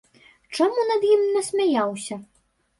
Чаму над ім насмяяўся?